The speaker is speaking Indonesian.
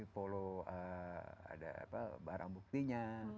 follow barang buktinya